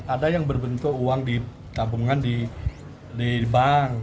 ada yang berbentuk uang ditabungkan di bank